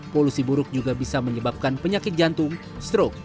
polusi buruk juga bisa menyebabkan penyakit jantung stroke